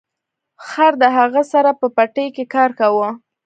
خر د هغه سره په پټي کې کار کاوه.